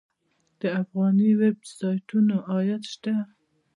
د افغاني ویب سایټونو عاید شته؟